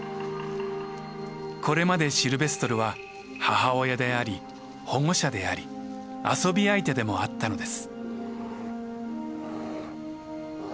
これまでシルベストルは母親であり保護者であり遊び相手でもあったのです。